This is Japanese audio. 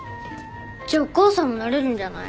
じゃあお母さんもなれるんじゃない？